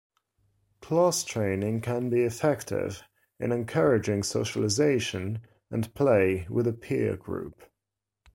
Class training can be effective in encouraging socialization and play with a peer group.